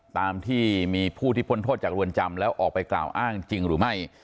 ตามที่มีผู้ที่พ้นโทษจากเรือนจำแล้วออกไปกล่าวอ้างจริงหรือไม่